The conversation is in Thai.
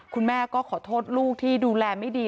คุณแม่ก็ขอโทษลูกที่ดูแลไม่ดี